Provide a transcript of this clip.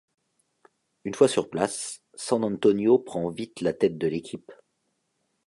Une fois sur place San-Antonio prend vite la tête de l'équipe.